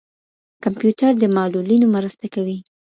کمپيوټر د معلولينو مرسته کوي.